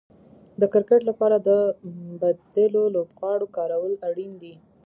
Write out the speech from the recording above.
د کرکټ لپاره د بديلو لوبغاړو کارول اړين دي.